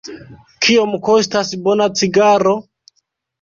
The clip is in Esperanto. Kiom kostas bona cigaro?